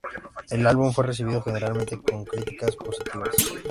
El álbum fue recibido generalmente con críticas positivas.